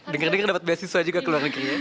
dengar dengar dapat beasiswa juga ke luar negeri